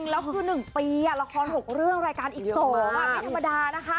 แล้วคือ๑ปีละคร๖เรื่องรายการอีก๒ไม่ธรรมดานะคะ